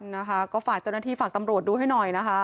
นะคะก็ฝากเจ้าหน้าที่ฝากตำรวจดูให้หน่อยนะคะ